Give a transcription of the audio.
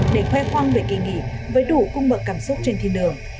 để khoe khoang về kỳ nghỉ với đủ cung bậc cảm xúc trên thiên đường